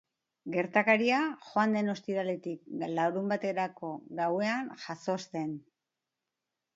Gertakaria joan den ostiraletik larunbaterako gauean jazo zen.